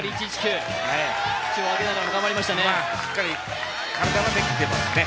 しっかり体ができてますね。